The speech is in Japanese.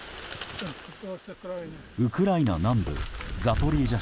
ウクライナ南部ザポリージャ